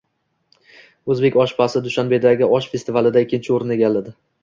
O‘zbek oshpazi Dushanbedagi osh festivalida ikkinchi o‘rinni egallading